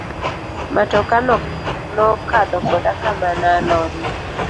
Matoka no kadho koda kama na lorie.